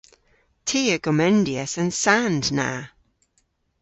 Ty a gomendyas an sand na.